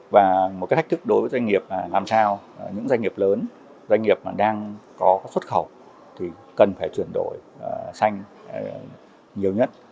và một cái thách thức đối với doanh nghiệp là làm sao những doanh nghiệp lớn doanh nghiệp mà đang có xuất khẩu thì cần phải chuyển đổi xanh nhiều nhất